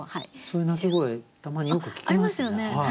そういう鳴き声たまによく聞きますよね。